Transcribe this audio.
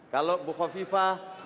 kalau bukhawfifah nanti terpilih